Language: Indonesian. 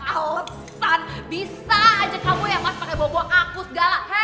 alasan bisa aja kamu ya mas pakai bawa bawa kaku segala